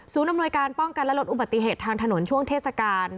อำนวยการป้องกันและลดอุบัติเหตุทางถนนช่วงเทศกาล